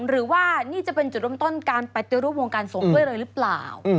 หรือว่านี่จะเป็นจุดเริ่มต้นการปฏิรูปวงการสงฆ์ด้วยเลยหรือเปล่า